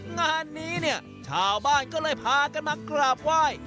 งานนี้เนี่ยชาวบ้านก็เลยพากันมากราบไหว้